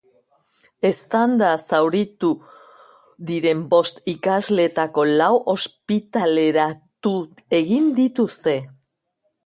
Eztandan zauritu diren bost ikasleetako lau ospitaleratu egin dituzte.